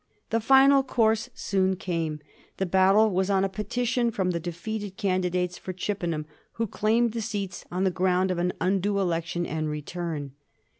The final course soon came. The battle was on a peti tion from the defeated candidates for Chippenham, who claimed the seats on the ground of an undue election and return.